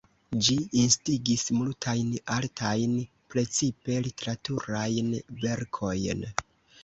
Ĝi instigis multajn artajn, precipe literaturajn verkojn.